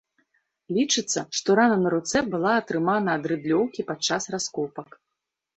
Лічыцца, што рана на руцэ была атрымана ад рыдлёўкі падчас раскопак.